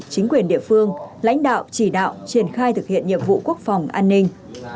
chính quyền địa phương lãnh đạo chỉ đạo triển khai thực hiện nhiệm vụ quốc phòng an ninh